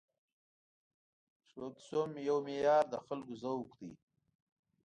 د ښو کیسو یو معیار د خلکو ذوق دی.